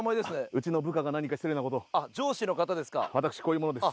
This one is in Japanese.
うちの部下が何か失礼なことを上司の方ですか私こういう者です